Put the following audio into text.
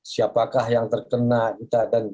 siapakah yang terkena kita dan